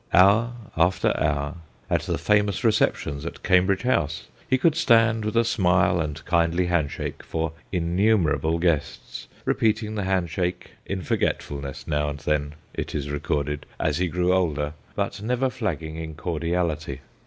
Hour after hour at the famous receptions at Cambridge House, he could stand with a smile and kindly handshake for innumerable guests, repeating the handshake in forgetfulness now and then (it is recorded) as he grew older, but never flagging in cordiality.